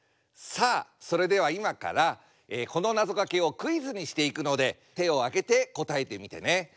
さあそれでは今からこのなぞかけをクイズにしていくので手を上げて答えてみてね。